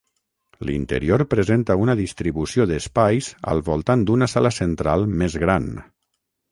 L'interior presenta una distribució d'espais al voltant d'una sala central més gran.